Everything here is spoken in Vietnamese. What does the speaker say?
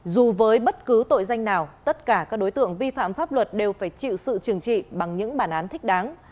dù với bất cứ tội danh nào tất cả các đối tượng vi phạm pháp luật đều phải chịu sự trừng trị bằng những bản án thích đáng